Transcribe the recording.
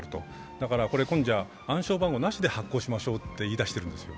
だから暗証番号なしで発行しましょうと言い出しているんですよ。